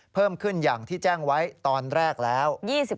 เพิ่มขึ้นอย่างที่แจ้งไว้ตอนแรกแล้ว